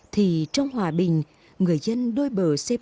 thì trong hòa bình người dân đối bờ sẽ không ngừng vun đắp tình hữu nghì keo sơn